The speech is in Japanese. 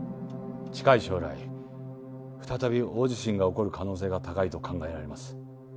近い将来再び大地震が起こる可能性が高いと考えられます。